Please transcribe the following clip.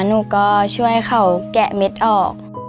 หนูก็ช่วยเขาแกะเม็ดออก